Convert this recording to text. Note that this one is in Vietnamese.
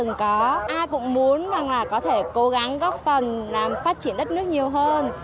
từng có ai cũng muốn và có thể cố gắng góp phần làm phát triển đất nước nhiều hơn